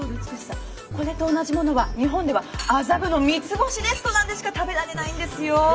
これと同じものは日本では麻布の三ツ星レストランでしか食べられないんですよ。